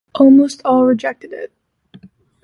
Almost all rejected it.